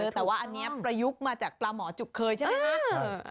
แต่ว่าอันนี้ประยุกต์มาจากปลาหมอจุกเคยใช่ไหมคะ